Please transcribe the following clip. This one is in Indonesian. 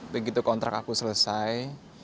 begitu kontrak aku selesai